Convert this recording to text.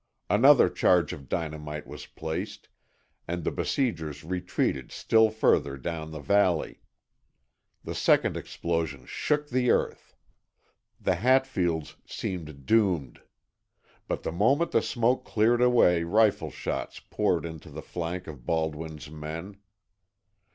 Another charge of dynamite was placed, and the besiegers retreated still further down the valley. The second explosion shook the earth the Hatfields seemed doomed. But the moment the smoke cleared away rifle shots poured into the flank of Baldwin's men.